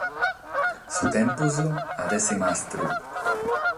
Su tempus at a èssere mastru.